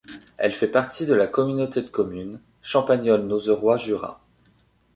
Elle fait partie de la communauté de communes Champagnole Nozeroy Jura.